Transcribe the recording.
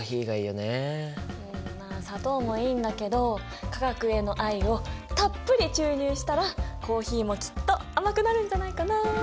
うんまあ砂糖もいいんだけど化学への愛をたっぷり注入したらコーヒーもきっと甘くなるんじゃないかな？